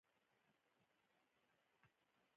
د کرنیزو توکو لپاره معیاري ذخیره ګاهونه جوړول اړین دي.